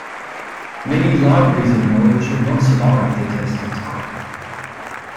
Many libraries of knowledge have not survived the test of time.